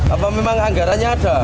apa memang anggarannya ada